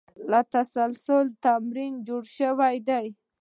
له دې تسلسل تمدن جوړ شوی دی.